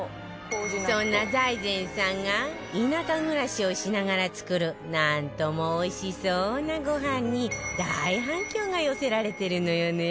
そんな財前さんが田舎暮らしをしながら作るなんとも、おいしそうなごはんに大反響が寄せられてるのよね